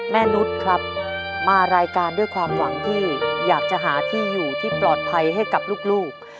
นุษย์ครับมารายการด้วยความหวังที่อยากจะหาที่อยู่ที่ปลอดภัยให้กับลูก